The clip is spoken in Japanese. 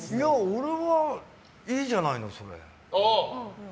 俺はいいじゃないの、それ。